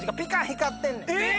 光ってんねん。